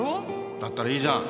だったらいいじゃん。